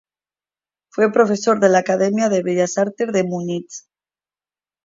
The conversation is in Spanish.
Fue profesor de la Academia de Bellas Artes de Múnich.